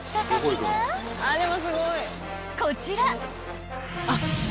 ［こちら］